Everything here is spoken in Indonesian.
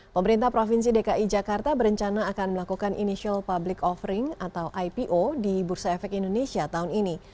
pemerintah provinsi dki jakarta berencana akan melakukan initial public offering atau ipo di bursa efek indonesia tahun ini